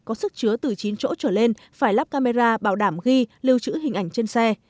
có sức chứa từ chín chỗ trở lên phải lắp camera bảo đảm ghi lưu trữ hình ảnh trên xe